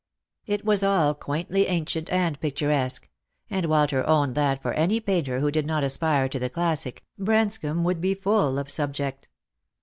It was all quaintly ancient and picturesque; and Walter owned that, for any painter who did not aspire to the classic, Branscomb would be full of subject.